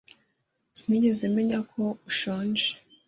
Sinigeze menya ko ushonje.